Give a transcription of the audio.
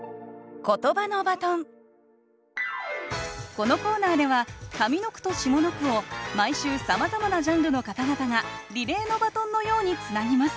このコーナーでは上の句と下の句を毎週さまざまなジャンルの方々がリレーのバトンのようにつなぎます。